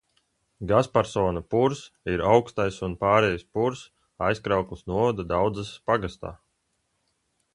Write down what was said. Gasparsona purvs ir augstais un pārejas purvs Aizkraukles novada Daudzeses pagastā.